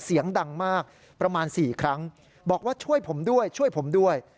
เสียงดังมากประมาณ๔ครั้งบอกว่าช่วยผมด้วยช่วยผมด้วย